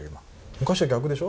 昔は逆でしょ。